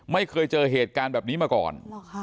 ไม่เคยเจอเหตุการณ์แบบนี้มาก่อน